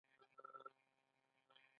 د اقتصاد ودې ته نوښت ضروري دی.